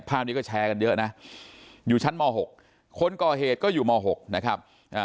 ภาพนี้ก็แชร์กันเยอะนะอยู่ชั้นม๖คนก่อเหตุก็อยู่ม๖นะครับ